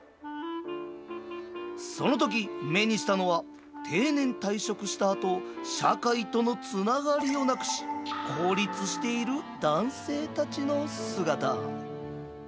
そのとき目にしたのは定年退職したあと社会とのつながりをなくし孤立している男性たちの姿。